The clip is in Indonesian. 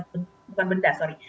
bukan benda sorry